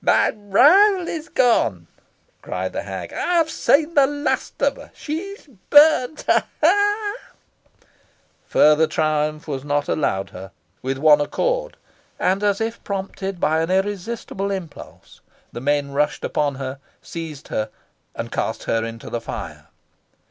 "My rival is gone!" cried the hag. "I have seen the last of her. She is burnt ah! ah!" Further triumph was not allowed her. With one accord, and as if prompted by an irresistible impulse, the men rushed upon her, seized her, and cast her into the fire.